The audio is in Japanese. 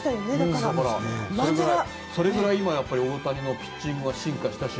それくらい今大谷のピッチングは進化したし。